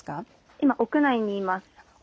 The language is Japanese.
今、屋内にます。